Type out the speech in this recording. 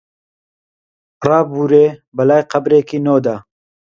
ڕابوورێ بەلای قەبرێکی نۆدا